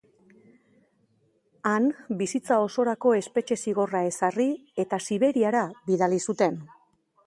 Han bizitza osorako espetxe zigorra ezarri eta Siberiara bidali zuten.